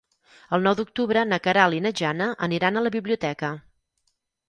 El nou d'octubre na Queralt i na Jana aniran a la biblioteca.